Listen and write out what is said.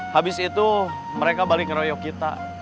habis itu mereka balik ngeroyok kita